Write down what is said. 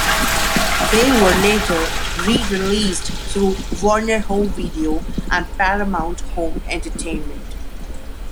They were later re-released through Warner Home Video and Paramount Home Entertainment.